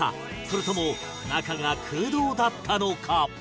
それとも中が空洞だったのか？